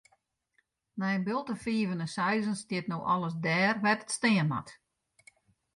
Nei in bulte fiven en seizen stiet no alles dêr wêr't it stean moat.